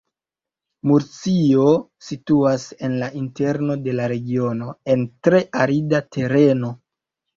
Murcio situas en la interno de la regiono, en tre arida tereno.